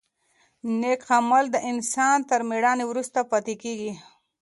نېک عمل د انسان تر مړینې وروسته پاتې کېږي.